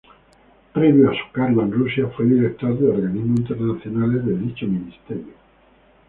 Previó a su cargo en Rusia fue Director de Organismos Internacionales de dicho Ministerio.